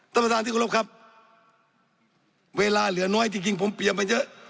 ท่านประธานที่เคารพครับเวลาเหลือน้อยจริงผมเปรียบมาเยอะ